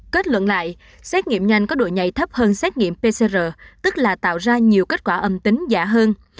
kết luận lại xét nghiệm nhanh có độ nhảy thấp hơn xét nghiệm pcr tức là tạo ra nhiều kết quả âm tính giả hơn